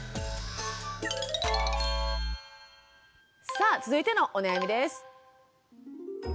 さあ続いてのお悩みです。